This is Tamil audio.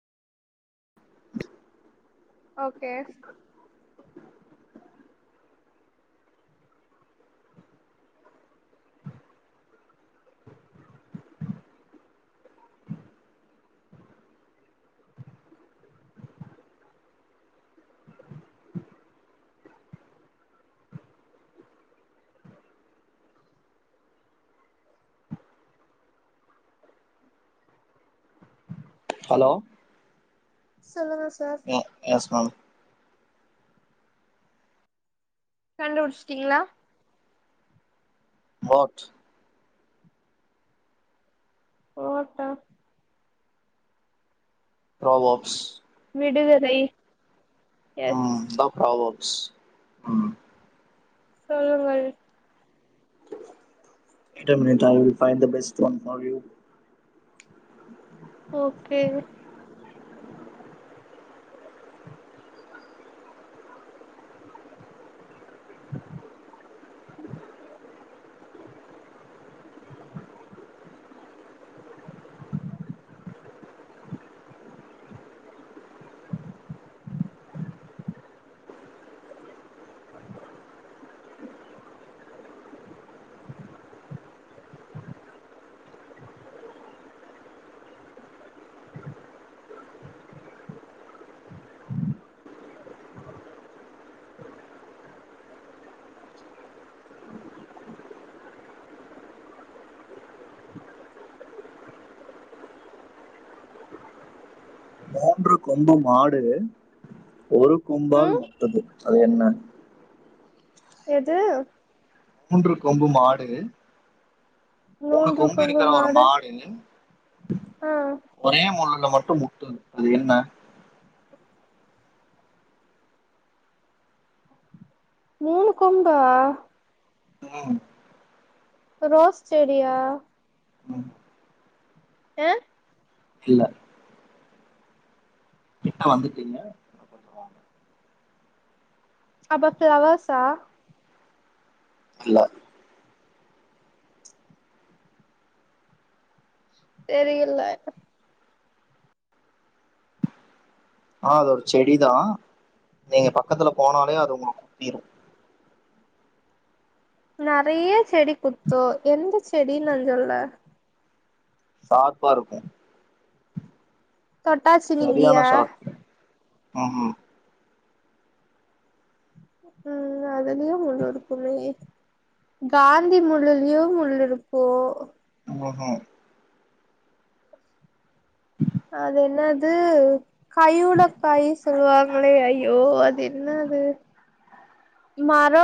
[unintelligible] ஓகே ஹலோ சொல்லுங்க சார் ய எஸ் மேம் கண்டுபுடிச்சிட்டிங்ளா வாட் ச் [unintelligible] ப்ராவெர்ப்ஸ் விடுகதை எஸ் ம் இதா ப்ராவெர்ப் ம் சொல்லுங்கள் just a minute I will பைண்தா best one for you okay [unintelligible] ரு கொம்பம் மாடு ஒரு கொம்பால் ம் முட்டது அது என்ன எது மூன்று கொம்பு மாடு மூணு கொம்பு இருக்குற ஒரு மாடு ஆ ஒரே முள்ளுல ம [unintelligible] முட்டு அது என்ன மூணு கொம்பா ம் ரோஸ் செடியா ம். ஆ இல்ல கிட்ட வந்துட்டீங்க இன்னோ கொஞ்சோ வாங்க அப்ப ஃப்ளவர்ஸா இல்ல தெரிய்ல்ல ஆ அதோட செடிதா நீங்க பக்கத்துல போனாலே அது உங்கள குத்திரு நறைய செடி குத்தோ எந்துச் செடின் நா சொல்ல சார்பா இருக்கு தொட்டாச்சினிங்கியா ம்ம் ம் அதுலியு முள் இருக்குமே காந்தி முள்ளுலியு முள் இருக்கோ மாஹ அது என்னாது கையுட காய் சொல்வாங்ளே ஐயோ அது என்னாது மரோ